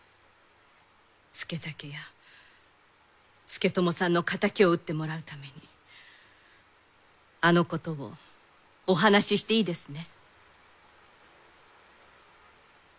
佐武や佐智さんの仇を討ってもらうためにあのことをお話していいですね？